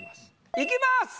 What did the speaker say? いきます。